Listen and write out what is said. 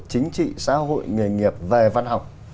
chính trị xã hội nghề nghiệp về văn học